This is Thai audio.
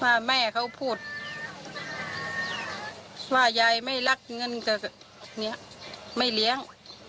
ว่าแม่เขาพูดว่ายายไม่รักเงินไม่เลี้ยง